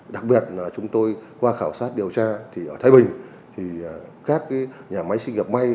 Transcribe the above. đặc biệt là chúng tôi qua khảo sát điều tra thì ở thái bình thì các nhà máy sinh nghiệp may